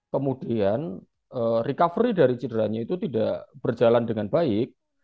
kemudian recovery dari cederanya itu tidak berjalan dengan baik